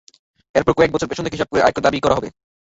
এরপর কয়েক বছর পেছন থেকে হিসাব করে আয়কর দাবি করা হবে।